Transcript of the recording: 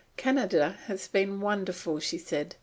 "Canada has been wonderful," she said.